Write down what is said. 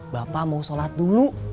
bapak mau sholat dulu